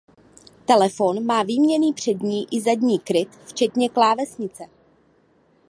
Telefon má výměnný přední i zadní kryt včetně klávesnice.